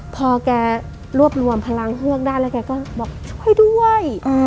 พอแกรวบรวมพลังเฮือกได้แล้วแกก็บอกช่วยด้วย